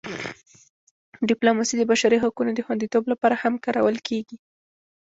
ډیپلوماسي د بشري حقونو د خوندیتوب لپاره هم کارول کېږي.